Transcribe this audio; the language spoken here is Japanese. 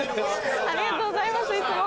ありがとうございますいつも。